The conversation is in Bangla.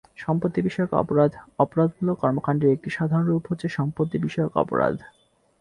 সম্পত্তি বিষয়ক অপরাধ অপরাধমূলক কর্মকান্ডের একটি সাধারণ রূপ হচ্ছে সম্পত্তি বিষয়ক অপরাধ।